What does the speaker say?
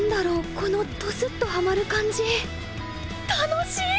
このトスッとハマる感じ楽しい！